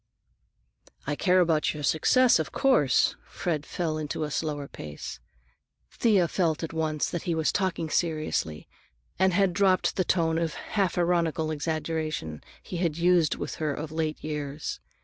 "I care about your success, of course." Fred fell into a slower pace. Thea felt at once that he was talking seriously and had dropped the tone of half ironical exaggeration he had used with her of late years.